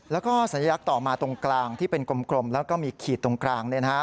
แล้วก็สัญลักษณ์ต่อมาตรงกลางที่เป็นกลมแล้วก็มีขีดตรงกลาง